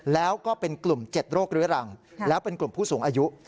แล้วก็เป็นกลุ่ม๗โรคเรื้อรังแล้วเป็นกลุ่มผู้สูงอายุ